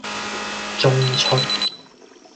中出